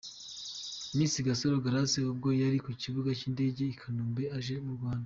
Miss Gasaro Grace ubwo yari ku kibuga cy'indege i Kanombe aje mu Rwanda.